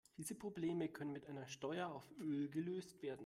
Diese Probleme können mit einer Steuer auf Öl gelöst werden.